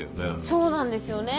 そうなんですよね。